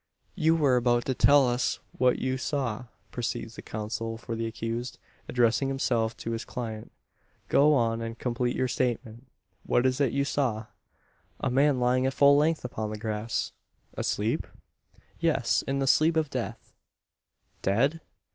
"You were about to tell us what you saw," proceeds the counsel for the accused, addressing himself to his client. "Go on, and complete your statement. What was it you saw?" "A man lying at full length upon the grass." "Asleep?" "Yes; in the sleep of death." "Dead?"